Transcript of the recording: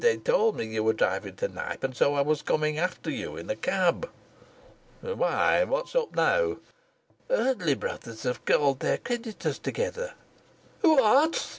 "They told me you were driving to Knype and so I was coming after you in a cab." "Why, what's up now?" "Eardley Brothers have called their creditors together." "What?"